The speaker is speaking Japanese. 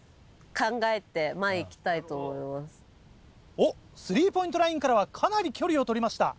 おっ３ポイントラインからはかなり距離を取りました。